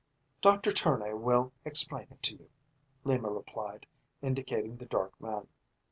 "Doctor Tournay will explain it to you," Lima replied, indicating the dark man.